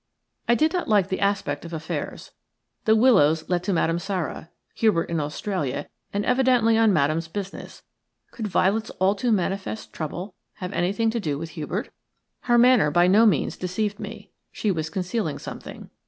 I did not like the aspect of affairs. The Willows let to Madame Sara; Hubert in Australia and evidently on Madame's business; could Violet's all too manifest trouble have anything to do with Hubert? Her manner by no means deceived me; she was concealing something.